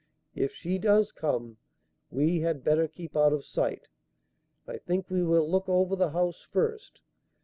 If she does come, we had better keep out of sight. I think we will look over the house first.